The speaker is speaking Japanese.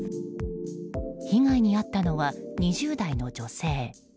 被害に遭ったのは２０代の女性。